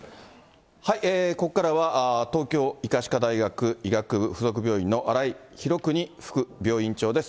ここからは、東京医科歯科大学医学部附属病院の荒井裕国副病院長です。